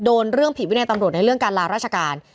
โดนเรื่องผิดวินัยตำรวจในเรื่องการลาราชการ